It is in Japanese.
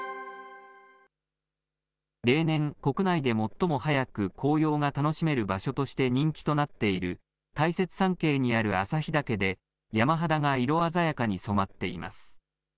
例年、国内で最も早く紅葉が楽しめる場所として人気となっている、大雪山系にある旭岳で、山肌が色鮮やかに染まっています。